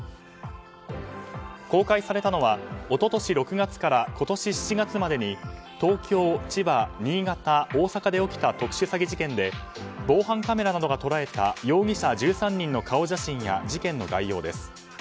公開されたのは一昨年６月から今年７月までに東京、千葉、新潟、大阪で起きた特殊詐欺事件で防犯カメラなどが捉えた容疑者１３人の顔写真や事件の概要です。